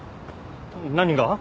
何が？